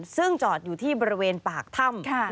ซึ่งจอดอยู่ที่บริเวณปากถ้ำ